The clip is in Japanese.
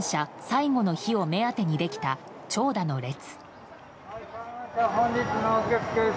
最後の日を目当てにできた長蛇の列。